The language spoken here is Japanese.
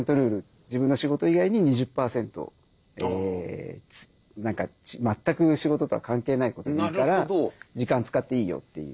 自分の仕事以外に２０％何か全く仕事とは関係ないことでいいから時間使っていいよっていう。